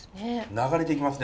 流れていきますね